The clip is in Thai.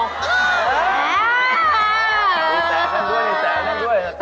นี่แตะด้านด้วย